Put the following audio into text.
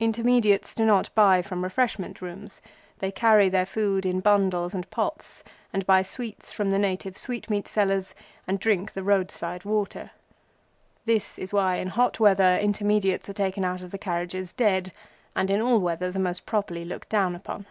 Intermediates do not patronize refreshment rooms. They carry their food in bundles and pots, and buy sweets from the native sweetmeat sellers, and drink the roadside water. That is why in the hot weather Intermediates are taken out of the carriages dead, and in all weathers are most properly looked down upon.